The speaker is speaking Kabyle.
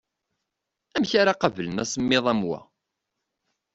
Amek ara qablen asemmiḍ am wa?